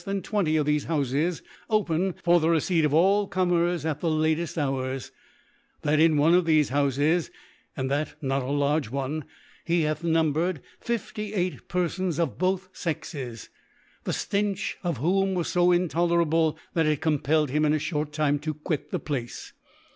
than * Twenty of thefc Houfes open for tlia * Receipt of all Comers at the latcft Hours 3 ^ That in one of thefe Houfes, and that * not a large one, he hath numbered 5S. ^ Perfons of both Sexes, the Stench of ^ whom was^ fo intolerable, thai: it compell* ^ ed him in a very fhort time to quit the * Place.